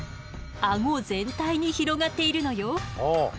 アゴ全体に広がっているのよ。